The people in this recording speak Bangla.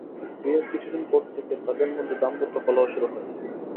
বিয়ের কিছুদিন পর থেকে তাঁদের মধ্যে দাম্পত্য কলহ শুরু হয়।